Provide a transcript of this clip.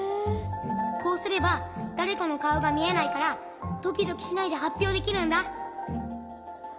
こうすればだれかのかおがみえないからドキドキしないではっぴょうできるんだ。